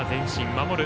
守る